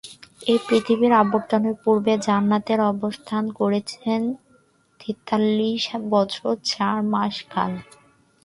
আর পৃথিবীতে অবতরণের পূর্বে জান্নাতে অবস্থান করেছেন তেতাল্লিশ বছর চার মাস কাল।